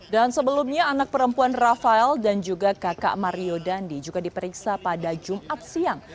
dan sebelumnya anak perempuan rafael dan juga kakak mario dandi juga diperiksa pada jumat siang